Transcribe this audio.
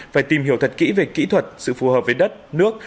phải tìm hiểu thật kỹ về kỹ thuật sự phù hợp với đất nước